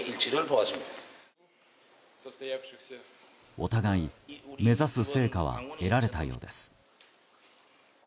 お互い、目指す成果は得られたようです。